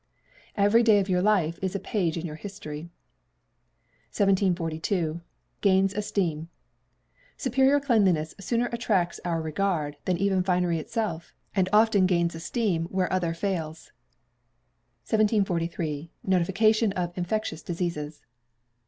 [EVERY DAY OF YOUR LIFE IS A PAGE IN YOUR HISTORY.] 1742. Gains Esteem. Superior cleanliness sooner attracts our regard than even finery itself, and often gains esteem where the other fails. 1743. Notification of Infectious Diseases.